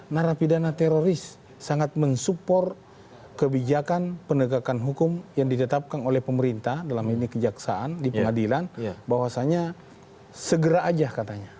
narapidana teroris sangat mensupport kebijakan penegakan hukum yang ditetapkan oleh pemerintah dalam ini kejaksaan di pengadilan bahwasanya segera aja katanya